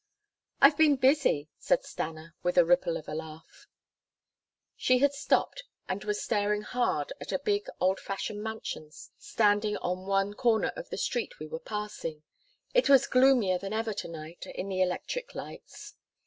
"I've been busy," said Stanna with a ripple of a laugh. She had stopped, and was staring hard at a big, old fashioned mansion standing on one corner of the street we were passing. It was gloomier than ever to night in the electric lights.